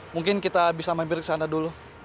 mungkin kita bisa mampir ke sana dulu